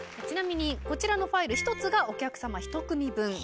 ちなみに、こちらのファイル１つがお客様１組分。